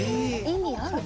「意味あるの？」